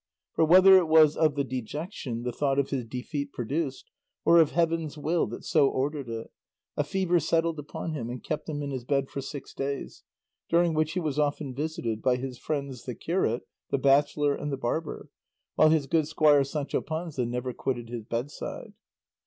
For whether it was of the dejection the thought of his defeat produced, or of heaven's will that so ordered it a fever settled upon him and kept him in his bed for six days, during which he was often visited by his friends the curate, the bachelor, and the barber, while his good squire Sancho Panza never quitted his bedside.